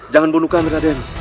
jangan bunuh kami raden